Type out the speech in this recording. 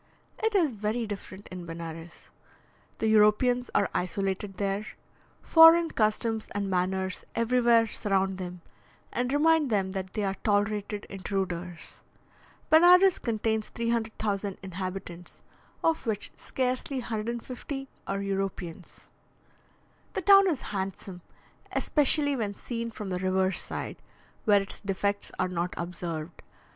It is very different in Benares. The Europeans are isolated there; foreign customs and manners everywhere surround them, and remind them that they are tolerated intruders. Benares contains 300,000 inhabitants, of which scarcely 150 are Europeans. The town is handsome, especially when seen from the river side, where its defects are not observed.